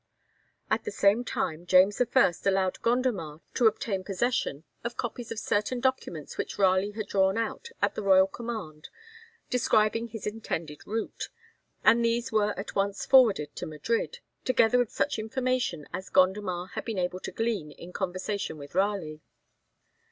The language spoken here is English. At the same time James I. allowed Gondomar to obtain possession of copies of certain documents which Raleigh had drawn out at the royal command describing his intended route, and these were at once forwarded to Madrid, together with such information as Gondomar had been able to glean in conversation with Raleigh.